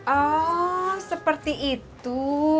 oh seperti itu